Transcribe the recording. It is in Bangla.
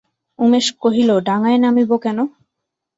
উমেশ কহিল, ডাঙায় নামিব কেন?